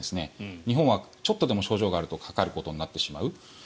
日本はちょっとでも症状があるとかかることになってしまう。